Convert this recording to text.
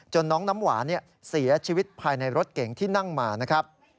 น้องน้ำหวานเสียชีวิตภายในรถเก๋งที่นั่งมานะครับ